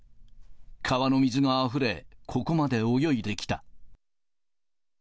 川の水があふれ、ここまで泳いできた。